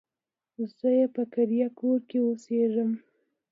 زه يې په کرايه کور کې اوسېږم.